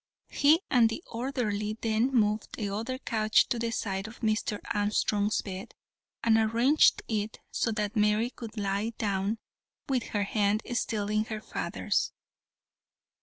He and the orderly then moved the other couch to the side of Mr. Armstrong's bed, and arranged it so that Mary could lie down with her hand still in her father's.